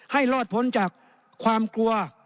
ให้รอดพ้นจากความกลัว